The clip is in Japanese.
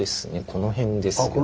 この辺ですね。